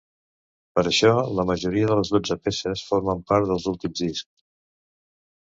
Per això la majoria de les dotze peces formen part dels últims discs.